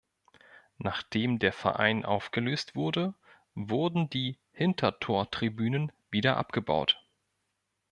Nachdem der Verein aufgelöst wurde, wurden die Hintertortribünen wieder abgebaut.